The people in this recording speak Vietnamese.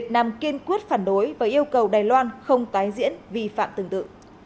hãy đối với yêu cầu đài loan không tái diễn vi phạm tương tự